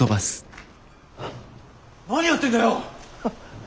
何やってんだよ！